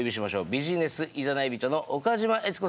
ビジネス誘い人の岡島悦子さん